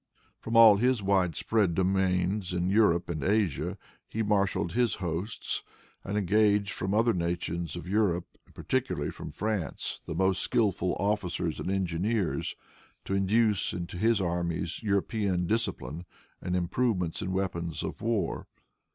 From all his wide spread domains in Europe and Asia, he marshaled his hosts, and engaged from other nations of Europe, and particularly from France, the most skillful officers and engineers, to introduce into his armies European discipline and improvements in weapons of war.